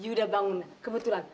yu udah bangun kebetulan